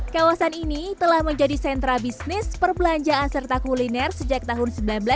kawasan ini telah menjadi sentra bisnis perbelanjaan serta kuliner sejak tahun seribu sembilan ratus sembilan puluh